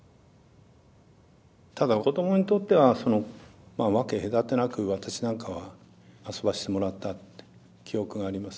ただ子どもにとっては分け隔てなく私なんかは遊ばせてもらったって記憶があります。